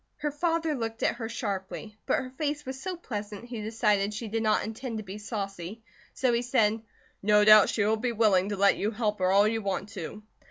Her father looked at her sharply; but her face was so pleasant he decided she did not intend to be saucy, so he said: "No doubt she will be willing to let you help her all you want to."